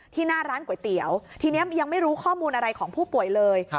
หน้าร้านก๋วยเตี๋ยวทีนี้ยังไม่รู้ข้อมูลอะไรของผู้ป่วยเลย